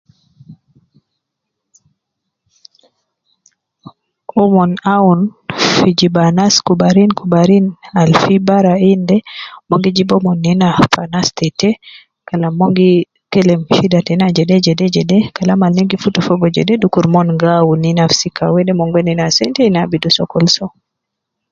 Omon awun fi jib anas kubarin kubarin al fi bara in de, omon gi jib omon nena fi anas te te, Kalam mon gi kelem shida tena jede jede jede Kalam al na gi futu fogo jede dukur mon gi awun ina gi sika wede mon gi wedi nena sente tena gi abidu sokol soo